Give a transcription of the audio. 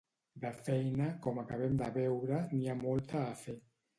De feina, com acabem de veure, n’hi ha molta a fer.